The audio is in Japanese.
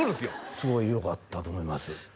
「すごいよかったと思います」